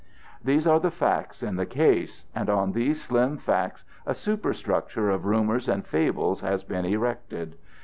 These are the facts in the case; and on these slim facts a superstructure of rumors and fables has been erected.